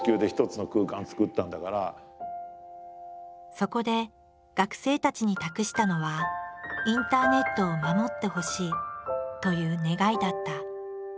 そこで学生たちに託したのはインターネットを守ってほしいという願いだった。